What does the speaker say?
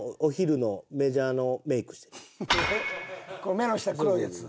目の下黒いやつ？